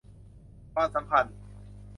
ความสัมพันธ์